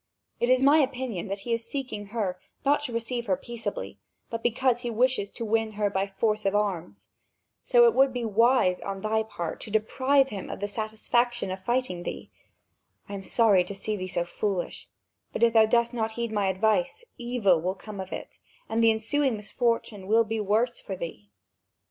It is my opinion that he is seeking her, not to receive her peaceably, but because he wishes to win her by force of arms. So it would be wise on thy part to deprive him of the satisfaction of fighting thee. I am sorry to see thee so foolish; but if thou dost not heed my advice, evil will come of it, and the ensuing misfortune will be worse for thee.